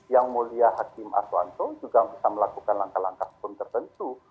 yang mulia hakim aswanto juga bisa melakukan langkah langkah hukum tertentu